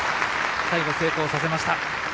最後、成功させました。